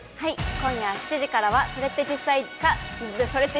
今夜７時からは『それって！？